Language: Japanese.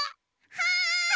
はい！